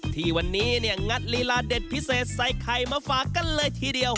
ที่วันนี้เนี่ยงัดลีลาเด็ดพิเศษใส่ไข่มาฝากกันเลยทีเดียว